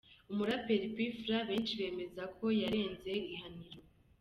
Umuraperi Pfla benshi bemeza ko yarenze ihaniro.